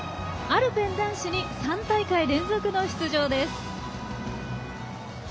アルペン男子に３大会連続の出場です。